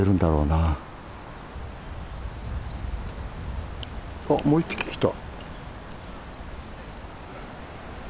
あっもう一匹来た。